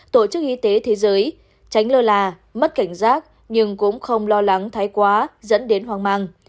tổ chức y tế thế giới tránh lơ là mất cảnh giác nhưng cũng không lo lắng thái quá dẫn đến hoang mang